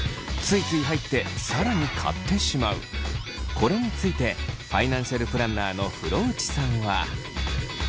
これについてファイナンシャルプランナーの風呂内さんは。